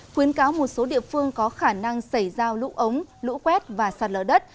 khuyến cáo một số địa phương có khả năng xảy ra lũ ống lũ quét và sạt lở đất